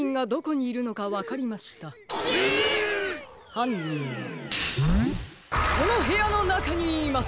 はんにんはこのへやのなかにいます！